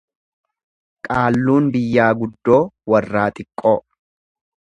Qaalluun biyyaa guddoo warraa xiqqoo.